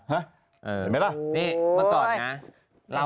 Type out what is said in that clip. เห็นไหมล่ะ